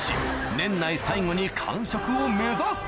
年内最後に完食を目指す！